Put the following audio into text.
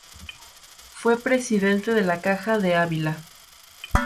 Fue presidente de la Caja de Ávila.